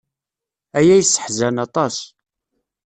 Aya yesseḥzan aṭas.